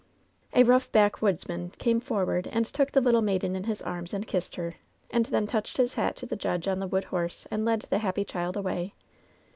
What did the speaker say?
"A rough backwoodsman came forward and took the little maiden in his arms and kissed her, and then touched his hat to the judge on the wood horse and led the happy child away.